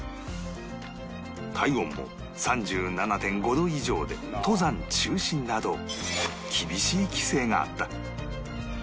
体温も ３７．５ 度以上で登山中止など厳しい規制があった